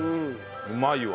うまいわ。